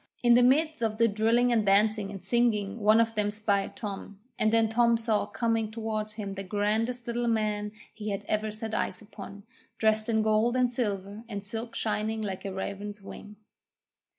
In the midst of the drilling and dancing and singing one of them spied Tom, and then Tom saw coming towards him the grandest Little Man he had ever set eyes upon, dressed in gold and silver, and silk shining like a raven's wing.